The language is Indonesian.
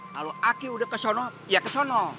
kalo aki udah kesono ya kesono